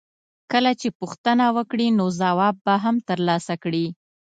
کله چې پوښتنه وکړې نو ځواب به هم ترلاسه کړې.